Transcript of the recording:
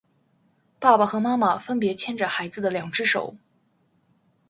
爸爸和妈妈分别牵着孩子的两只手